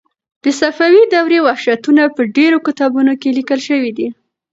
د صفوي دورې وحشتونه په ډېرو کتابونو کې لیکل شوي دي.